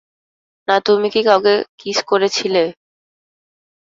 না তুমি কি কাউকে কিস করেছিলে?